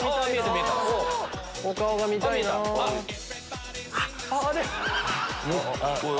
お顔が見たいな。